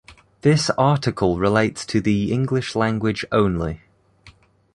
This article relates to the English language only.